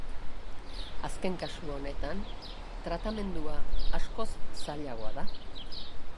Azken kasu honetan tratamendua askoz zailagoa da.